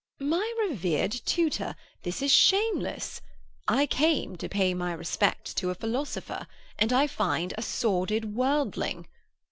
"My revered tutor, this is shameless. I came to pay my respects to a philosopher, and I find a sordid worldling.